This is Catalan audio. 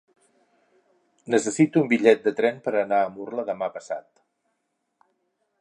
Necessito un bitllet de tren per anar a Murla demà passat.